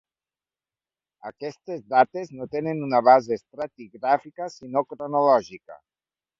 Aquestes dates no tenen una base estratigràfica sinó cronològica.